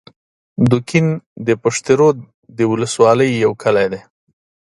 دوکین د پشترود د ولسوالۍ یو کلی دی